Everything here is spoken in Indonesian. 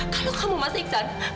kalau kamu masih ikhsan